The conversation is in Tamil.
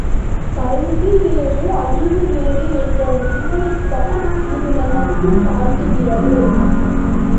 கல்விவேறு அறிவுவேறு என்ற உண்மையைத்தான் இது நமக்குக் காட்டுகிறது.